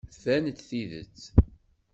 Tban-d tidet.